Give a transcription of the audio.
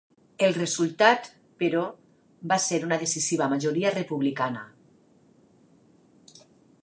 El resultat, però, va ser una decisiva majoria republicana.